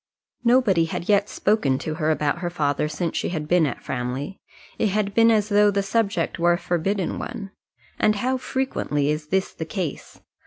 Nobody had yet spoken to her about her father since she had been at Framley. It had been as though the subject were a forbidden one. And how frequently is this the case!